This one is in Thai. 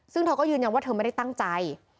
ซึ่งเธอก็ยืนยันว่าเธอไม่ได้ตั้งใจ